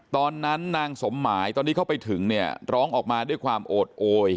ตอนนั้นนางสมหมายตอนที่เข้าไปถึงเนี่ยร้องออกมาด้วยความโอดโอย